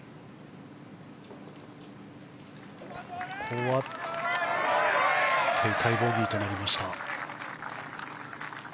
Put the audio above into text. ここは手痛いボギーとなりました。